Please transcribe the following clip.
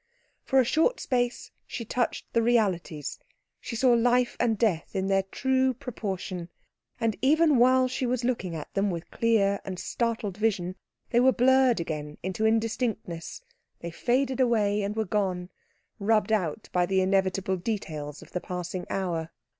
For a short space she touched the realities, she saw life and death in their true proportion; and even while she was looking at them with clear and startled vision they were blurred again into indistinctness, they faded away and were gone rubbed out by the inevitable details of the passing hour.